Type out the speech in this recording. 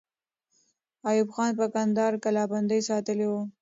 ایوب خان پر کندهار کلابندۍ ساتلې وه.